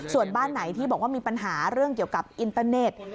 ส่วนบ้านไหนที่บอกว่ามีปัญหาเรื่องเกี่ยวกับอินเตอร์เน็ต